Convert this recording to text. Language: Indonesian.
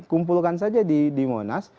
kumpulkan saja di monas